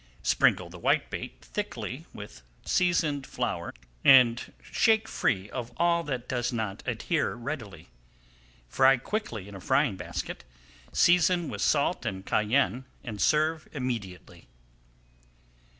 Sprinkle the whitebait thickly with seasoned flour and shake free of all that does not adhere readily. Fry quickly in a frying basket, season with salt and cayenne, and serve immediately.